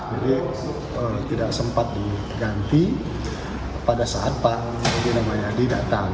jadi tidak sempat diganti pada saat pak edi rahmayadi datang